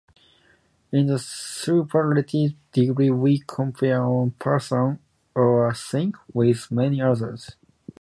In the superlative degree, we compare one person or thing with many others.